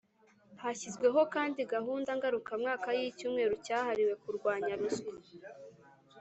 Hashyizweho kandi gahunda ngarukamwaka y'icyumweru cyahariwe kurwanya ruswa